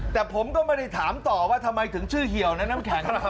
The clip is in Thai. แต่ผมก็ไม่ได้ถามต่อว่าทำไมถึงชื่อเหี่ยวนะน้ำแข็งล่ะครับ